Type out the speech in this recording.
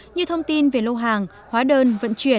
như thông tin về lô hàng hóa đơn vận chuyển